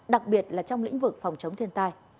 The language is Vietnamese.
đặc biệt là trong lĩnh vực phòng chống thiên tai